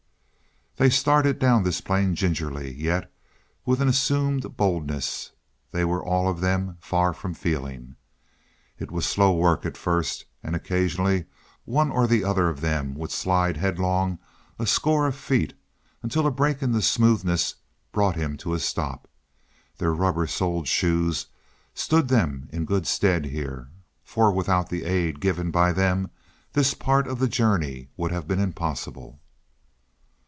They started down this plane gingerly, yet with an assumed boldness they were all of them far from feeling. It was slow work at first, and occasionally one or the other of them would slide headlong a score of feet, until a break in the smoothness brought him to a stop. Their rubber soled shoes stood them in good stead here, for without the aid given by them this part of the journey would have been impossible.